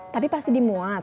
tapi pasti dimuat